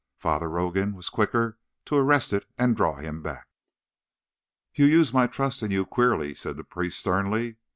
Father Rogan was quicker to arrest it and draw him back. "You use my trust in you queerly," said the priest sternly.